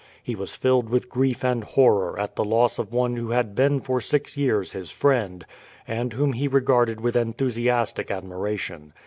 He was filled with grief and horror at the loss of one who had been for six years his friend, and whom he regarded with enthusiastic admiration.